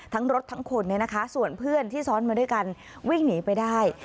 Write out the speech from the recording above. ทั้งรถทั้งคนเนี่ยนะคะส่วนเพื่อนที่ซ้อนมาด้วยกันวิ่งหนีไปได้